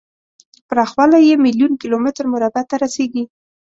پراخوالی یې میلیون کیلو متر مربع ته رسیږي.